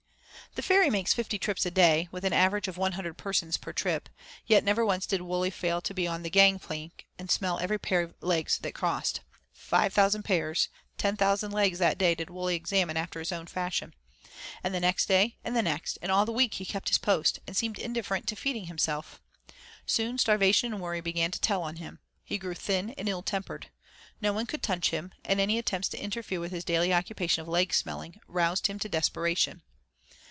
The ferry makes fifty trips a day, with an average of one hundred persons a trip, yet never once did Wully fail to be on the gang plank and smell every pair of legs that crossed 5,000 pairs, 10,000 legs that day did Wully examine after his own fashion. And the next day, and the next, and all the week he kept his post, and seemed indifferent to feeding himself. Soon starvation and worry began to tell on him. He grew thin and ill tempered. No one could touch him, and any attempt to interfere with his daily occupation of leg smelling roused him to desperation.